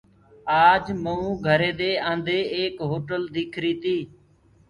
آج مئون گھرينٚدي آ نٚدي ايڪ هوٽل ديٚکريٚ تيٚ